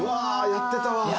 やってたわ。